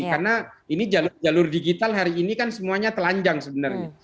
karena ini jalur digital hari ini kan semuanya telanjang sebenarnya